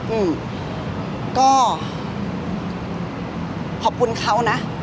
อืมก็ขอบคุณเขานะ